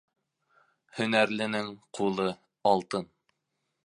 Һөнәрленең ҡулы алтын.